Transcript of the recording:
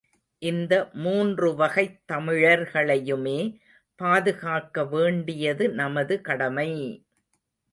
இந்த மூன்றுவகைத் தமிழர்களையுமே பாதுகாக்க வேண்டியது நமது கடமை!